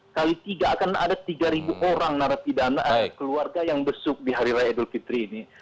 kali tiga akan ada tiga orang narapidana keluarga yang besuk di hari raya idul fitri ini